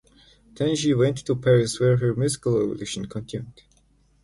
Then she went to Paris where her musical evolution continued.